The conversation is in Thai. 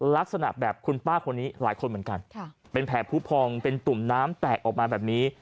ลักษณะแบบคุณป้าคนนี้หลายคนเหมือนกันเป็นแผลผู้พองเป็นตุ่มน้ำแตกออกมาแบบนี้